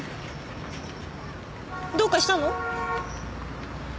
どうかしたの？